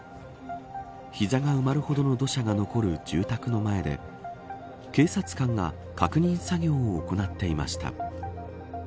膝が埋まるほどの土砂が残る住宅の前で警察官が確認作業を行っていました。